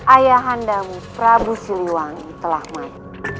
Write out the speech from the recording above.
ayah handamu prabu siliwangi telah mati